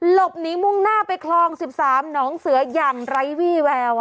หลบหนีมุ่งหน้าไปคลอง๑๓หนองเสืออย่างไร้วี่แวว